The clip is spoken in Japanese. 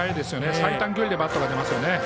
最短距離でバットが出ますよね。